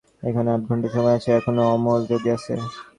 এখনো আধঘন্টা সময় আছে, এখনো অমল যদি আসে।